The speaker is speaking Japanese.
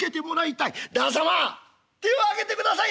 「旦様手を上げてくださいな。